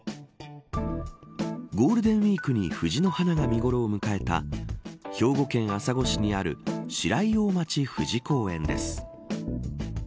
ゴールデンウイークに藤の花が見頃を迎えた兵庫県朝来市にある白井大町藤公園です。